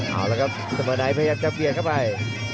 เอาละครับสมดายพยายามจะเบียนเข้าไป